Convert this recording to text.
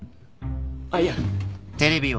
あっいや。